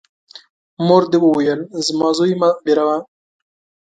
مور دي وویل : زما زوی مه بېروه!